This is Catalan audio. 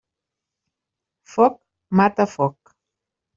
Foc mata foc.